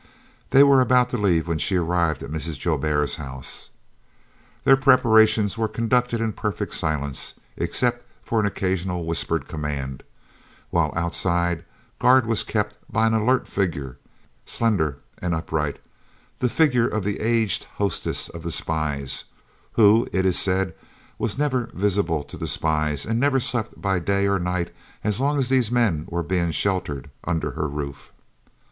They were about to leave when she arrived at Mrs. Joubert's house. Their preparations were conducted in perfect silence, except for an occasional whispered command, while outside, guard was kept by an alert figure, slender and upright, the figure of the aged hostess of the spies, who, it is said, was never visible to the spies and never slept by day or night as long as these men were being sheltered under her roof.